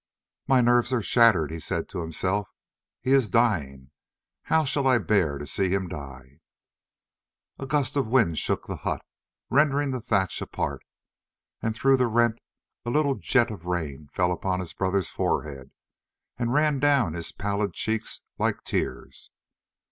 "My nerves are shattered," he said to himself. "He is dying. How shall I bear to see him die?" A gust of wind shook the hut, rending the thatch apart, and through the rent a little jet of rain fell upon his brother's forehead and ran down his pallid cheeks like tears.